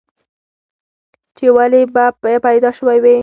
چې ولې به پيدا شوی وې؟